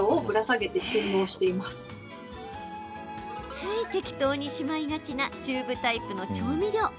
つい適当にしまいがちなチューブタイプの調味料。